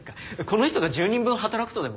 この人が１０人分働くとでも？